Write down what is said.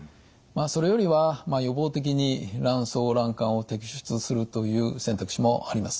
それよりは予防的に卵巣卵管を摘出するという選択肢もあります。